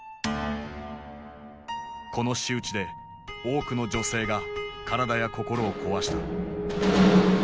この仕打ちで多くの女性が体や心を壊した。